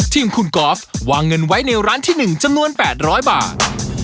ทีมคุณกอล์ฟวางเงินไว้ในร้านที่๑จำนวน๘๐๐บาท